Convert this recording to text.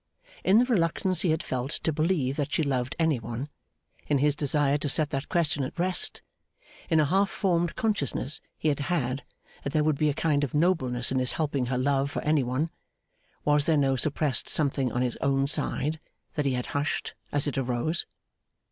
In the reluctance he had felt to believe that she loved any one; in his desire to set that question at rest; in a half formed consciousness he had had that there would be a kind of nobleness in his helping her love for any one, was there no suppressed something on his own side that he had hushed as it arose?